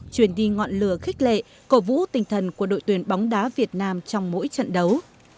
truyền đi ngọn lửa khích lệ cổ vũ tinh thần của đội tuyển bóng đá việt nam trong mỗi trận đấu